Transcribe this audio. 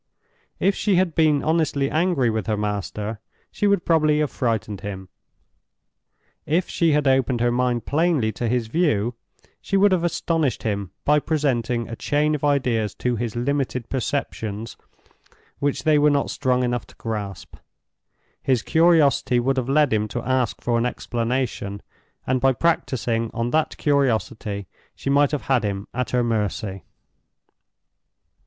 If she had been honestly angry with her master, she would probably have frightened him. If she had opened her mind plainly to his view, she would have astonished him by presenting a chain of ideas to his limited perceptions which they were not strong enough to grasp; his curiosity would have led him to ask for an explanation; and by practicing on that curiosity, she might have had him at her mercy.